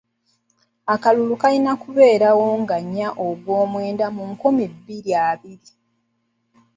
Akalulu kaalina kubeerawo nga nnya ogw'omwenda nkumi bbiri abiri.